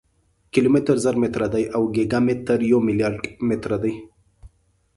کیلومتر زر متره دی او ګیګا متر یو ملیارډ متره دی.